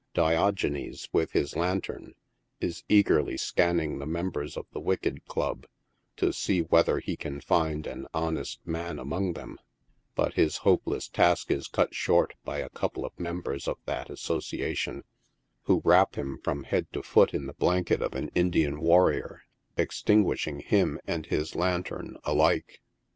Diogenes, with Ms lantern, is eagerly scanning the members of the Wicked Club, to see whether he can find an honest man among them, but his hope less task is cut short by a couple of members of that association, who wrap him from head to foot in the blanket of an Indian war rior, extinguishing him and his lantern alike.